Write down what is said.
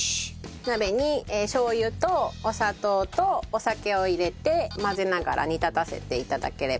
鍋にしょう油とお砂糖とお酒を入れて混ぜながら煮立たせて頂ければ。